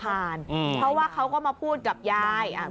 เพราะว่าเขาก็มาพูดกับยาย